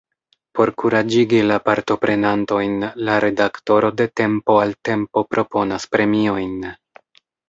Por kuraĝigi la partoprenantojn, la redaktoro de tempo al tempo proponas premiojn.